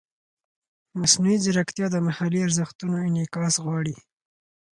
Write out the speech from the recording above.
مصنوعي ځیرکتیا د محلي ارزښتونو انعکاس غواړي.